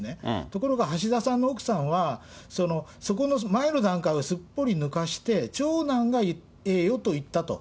ところが橋田さんの奥さんは、そこの前の段階をすっぽり抜かして、長男がええよと言ったと。